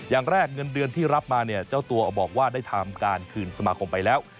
อย่างแรกเงินเดือนที่รับมาเนี่ยเจ้าตัวบอกว่าได้ทำการคืนสมาคมไปแล้ว